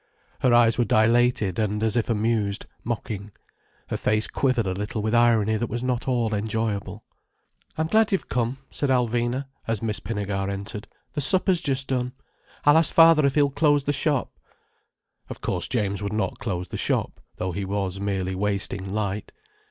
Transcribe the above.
Her eyes were dilated and as if amused, mocking, her face quivered a little with irony that was not all enjoyable. "I'm glad you've come," said Alvina, as Miss Pinnegar entered. "The supper's just done. I'll ask father if he'll close the shop." Of course James would not close the shop, though he was merely wasting light.